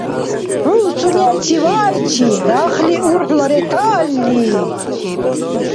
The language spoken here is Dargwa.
ХӀу сунечи ваайчи рахли урхӀла ретаалли?